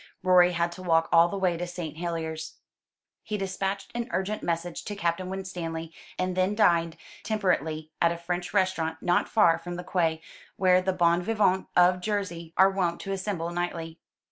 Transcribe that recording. Rorie had to walk all the way to St. Helier's. He dispatched an urgent message to Captain Winstanley, and then dined temperately at a French restaurant not far from the quay, where the bon vivants of Jersey are wont to assemble nightly.